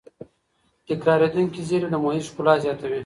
تکرارېدونکې زېرمې د محیط ښکلا زیاتوي.